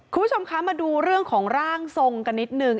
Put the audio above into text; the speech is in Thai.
คุณผู้ชมคะมาดูเรื่องของร่างทรงกันนิดนึง